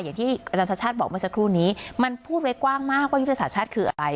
อย่างที่อาจารย์ชาติชาติบอกเมื่อสักครู่นี้มันพูดไว้กว้างมากว่ายุทธศาสตร์ชาติคืออะไร